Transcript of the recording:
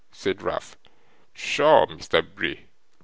said Ralph. 'Pshaw, Mr. Bray!